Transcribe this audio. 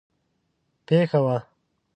پېښه وه.